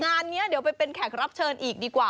งานนี้เดี๋ยวไปเป็นแขกรับเชิญอีกดีกว่า